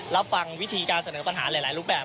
รับฟังวิธีการเสนอปัญหาหลายรูปแบบ